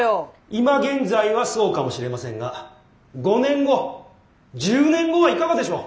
今現在はそうかもしれませんが５年後１０年後はいかがでしょう？